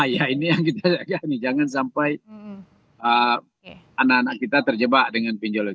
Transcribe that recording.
ya ini yang kita jaga nih jangan sampai anak anak kita terjebak dengan pinjol ini